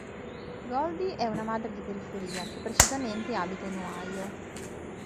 Goldie è una madre di periferia, più precisamente abita in Ohio.